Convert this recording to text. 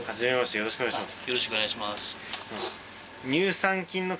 よろしくお願いします。